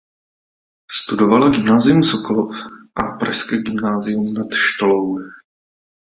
Studovala Gymnázium Sokolov a pražské Gymnázium Nad Štolou.